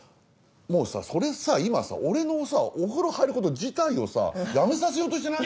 もうさそれさ今さ俺のお風呂入ること自体をさやめさせようとしてない？